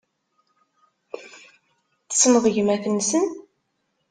Tessneḍ gmat-nsen?